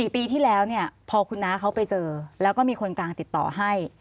๔ปีที่แล้วเนี่ยพอคุณน้าเขาไปเจอแล้วก็มีคนกลางติดต่อให้